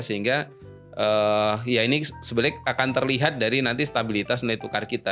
sehingga ya ini sebenarnya akan terlihat dari nanti stabilitas nilai tukar kita